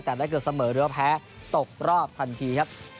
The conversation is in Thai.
แต่ก็เสมอร่วงแพ้ตกรอบทันทีครับ